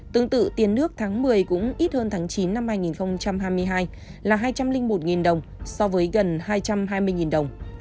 tương tự tiền nước tháng một mươi cũng ít hơn tháng chín năm hai nghìn hai mươi hai là hai trăm linh một đồng so với gần hai trăm hai mươi đồng